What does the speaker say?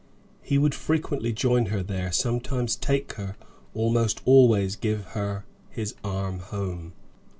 He would frequently join her there, sometimes take her, almost always give her his arm home.